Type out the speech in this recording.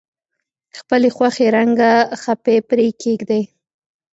خپلې خوښې رنګه خپې پرې کیږدئ.